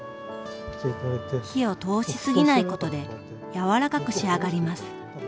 火を通し過ぎないことで柔らかく仕上がります。